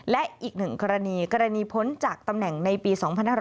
และอีกหนึ่งกรณีกรณีพ้นจากตำแหน่งในปี๒๕๕๙